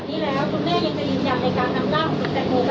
แล้วคุณแม่ยังจะยืนอย่างในการทำล่าของสิบแสดงโมไปส่งชาติสุดตาม